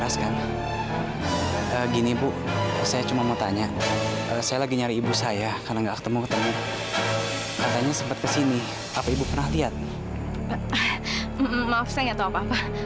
sampai jumpa di video selanjutnya